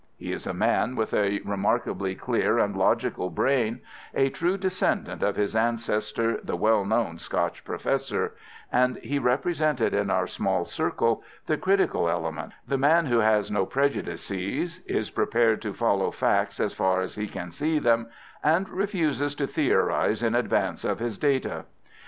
He is a man with a remarkably clear and logical brain—a true descendant of his ancestor, the well known Scotch professor—and he represented in our small circle the critical element, the man who has no prejudices, is prepared to follow facts as far as he can see them, and refuses to theorize in advance of his data.